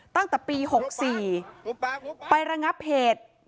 ตั้งแต่ปี๖๔ไประงับเหตุ